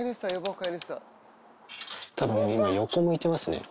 たぶん、今、横向いてますね。